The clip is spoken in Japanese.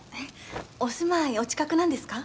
お住まいお近くなんですか？